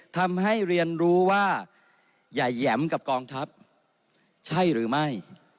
ทำให้เรียนรู้ว่าอย่าแหยมกับกองทัพใช่หรือไม่